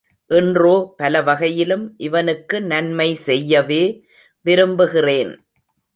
இன்றோ பலவகையிலும் இவனுக்கு நன்மை செய்யவே விரும்புகிறேன்.